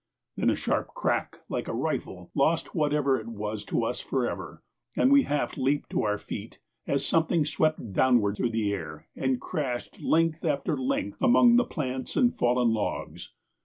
Then a sharp crack like a rifle lost whatever it was to us forever, and we half leaped to our feet as something swept downward through the air and crashed length after length among the plants and fallen logs.